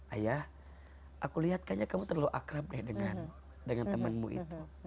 ayah aku lihat kayaknya kamu terlalu akrab nih dengan temenmu itu